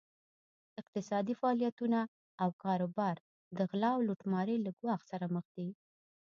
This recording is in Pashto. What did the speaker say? اقتصادي فعالیتونه او کاروبار د غلا او لوټمارۍ له ګواښ سره مخ دي.